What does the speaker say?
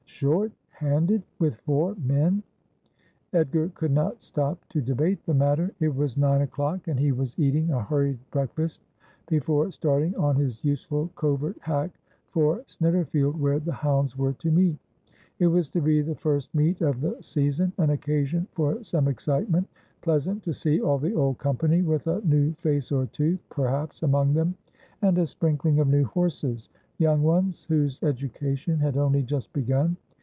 ' Short handed ! With four men !' Edgar could not stop to debate the matter. It was nine o'clock, and he was eating a hurried breakfast before starting on his useful covert hack for Snitterfield, where the hounds were to meet. It was to be the first meet of the season, an occasion for some excitement. Pleasant to see all the old company, with a new face or two perhaps among them, and a ^ No Man may alway have Prospei'itee.' 183 sprinkling of new horses — young ones whose education had only just begun.